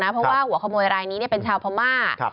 เพราะว่าหัวขโมยรายนี้เป็นชาวพม่า